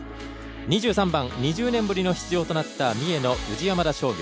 ２３番２０年ぶりの出場となった三重の宇治山田商業。